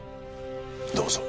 どうぞ。